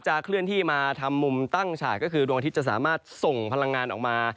เคลื่อนที่มาทำมุมตั้งฉากก็คือดวงอาทิตย์จะสามารถส่งพลังงานออกมา